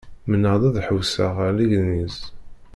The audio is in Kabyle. Mennaɣ-d ad ḥewwseɣ ar Legniz.